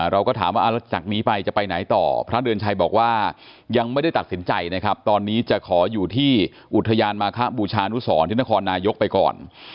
เราก็ถามว่าแล้วจากนี้ไปจะไปไหนต่อพระเดือนชัยบอกว่ายังไม่ได้ตัดสินใจนะครับตอนนี้จะขออยู่ที่อุทยานมาคะบูชานุสรที่นครนายกไปก่อน